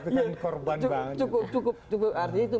itu aja sih saya melihat itu